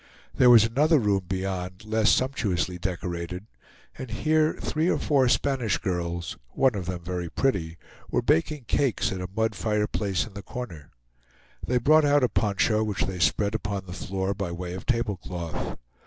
There was another room beyond, less sumptuously decorated, and here three or four Spanish girls, one of them very pretty, were baking cakes at a mud fireplace in the corner. They brought out a poncho, which they spread upon the floor by way of table cloth.